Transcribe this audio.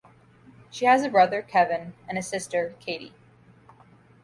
She has a brother, Kevin and a sister, Katie.